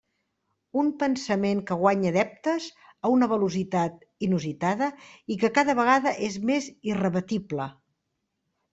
Un pensament que guanya adeptes a una velocitat inusitada i que cada vegada és més irrebatible.